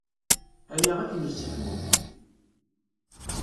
Aya ad kem-yesseḥmu.